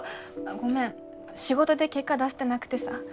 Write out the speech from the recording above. ごめん仕事で結果出せてなくてさ。